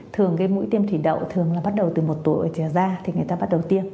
thường cái mũi tiêm thủy đậu thường là bắt đầu từ một tuổi ở trẻ ra thì người ta bắt đầu tiêm